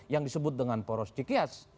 yang disebut dengan poros cikias